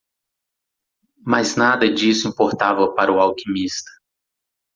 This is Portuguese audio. Mas nada disso importava para o alquimista.